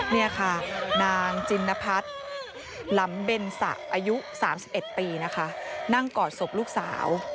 นี่ค่ะนางจินนพัฒน์หลำเบนสะอายุ๓๑ปีนะคะนั่งกอดศพลูกสาว